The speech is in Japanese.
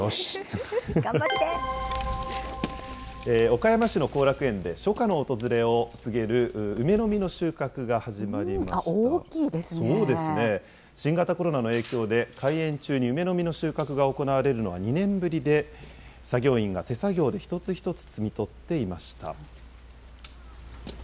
岡山市の後楽園で初夏の訪れを告げる、あっ、そうですね。新型コロナの影響で、開園中に梅の実の収穫が行われるのは２年ぶりで、作業員が手作業で一つ一つ摘み取っていました。